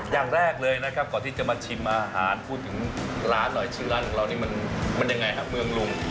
อย่างแรกเลยนะครับก่อนที่จะมาชิมอาหารพูดถึงร้านหน่อยชื่อร้านของเรานี่มันยังไงครับเมืองลุง